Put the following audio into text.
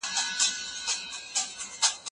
تاسي به سبا د غونډي پر مهال خپل معلومات شریک کړئ.